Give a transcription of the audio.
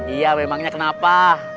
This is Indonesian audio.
iya memangnya kenapa